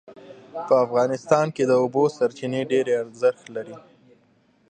په افغانستان کې د اوبو سرچینې ډېر اهمیت لري.